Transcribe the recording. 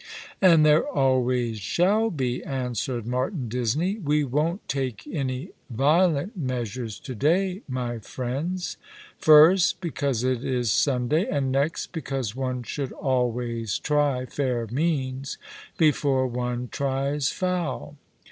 "And there always shall be," answered Martin Disney. " We won't take any violent measures to day, my friends—* 164 All along the River, first because it is Sunday, and next because one should alway try fair means before one tries foul.